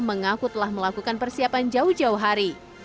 mengaku telah melakukan persiapan jauh jauh hari